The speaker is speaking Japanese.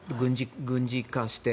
軍事化して。